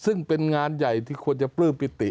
ซึ่งเป็นงานใหญ่ที่ควรจะปลื้มปิติ